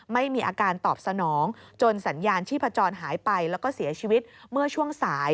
ไม่มีอาการตอบสนองจนสัญญาณชีพจรหายไปแล้วก็เสียชีวิตเมื่อช่วงสาย